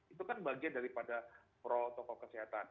itu kan bagian daripada protokol kesehatan